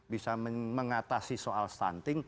bisa mengatasi soal stunting